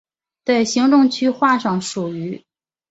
在行政区划上属于。